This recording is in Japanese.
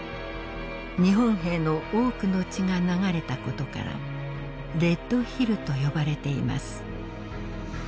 日本兵の多くの血が流れた事からレッドヒルと呼ばれています。